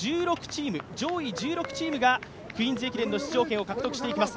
上位１６チームがクイーンズ駅伝の出場権を獲得していきます。